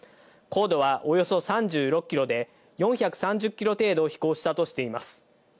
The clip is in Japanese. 高度はおよそ３６キロで、４３０キロ程度飛行したとしています。